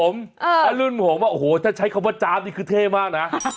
ไม่แต่รุ่นผมถ้ารุ่นผมถ้าใช้คำว่าจ๊าบนี่คือเท่มากนะ